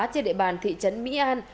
trên địa bàn thị trấn mỹ an